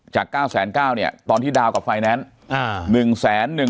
จาก๙๙๐๐เนี่ยตอนที่ดาวกับไฟแนนซ์